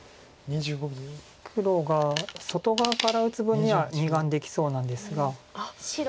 黒が外側から打つ分には２眼できそうなんですが。